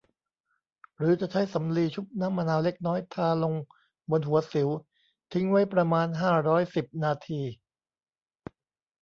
หรือจะใช้สำลีชุบน้ำมะนาวเล็กน้อยทาลงบนหัวสิว ทิ้งไว้ประมาณ ห้าร้อยสิบ นาที